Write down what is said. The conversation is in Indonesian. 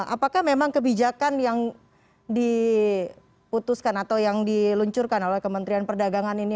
apakah memang kebijakan yang diputuskan atau yang diluncurkan oleh kementerian perdagangan ini